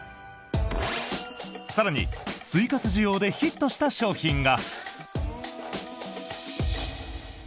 更に、睡活需要でヒットした商品が。